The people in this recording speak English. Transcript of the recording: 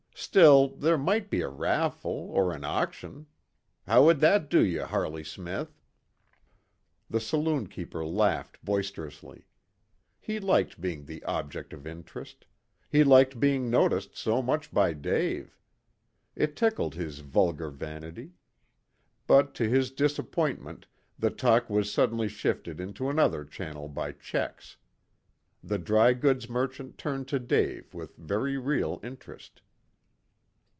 Still, there might be a raffle, or an auction. How would that do you, Harley Smith?" The saloon keeper laughed boisterously. He liked being the object of interest; he liked being noticed so much by Dave. It tickled his vulgar vanity. But, to his disappointment, the talk was suddenly shifted into another channel by Checks. The dry goods merchant turned to Dave with very real interest.